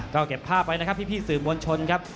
ก็เก็บภาพไว้นะครับพี่สื่อมวลชนครับ